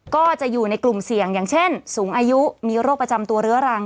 ก็จะอยู่ในกลุ่มเสี่ยงอย่างเช่นสูงอายุมีโรคประจำตัวเรื้อรัง